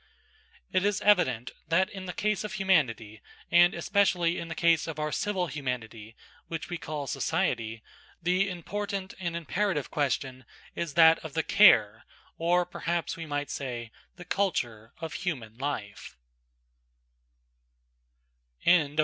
It is evident that in the case of humanity, and especially in the case of our civil humanity, which we call society, the important and imperative question is that of the care, or perhaps we might say, the culture of human life.